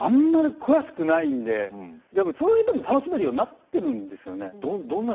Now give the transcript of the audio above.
あんまり詳しくないんででも、それでも楽しめるようになっているんですよね。